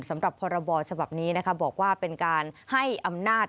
สำหรับพรบฉบับนี้นะคะบอกว่าเป็นการให้อำนาจ